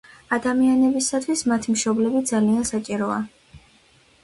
ადამიანებისათვის მათი მშობლები ძალიან საჭიროა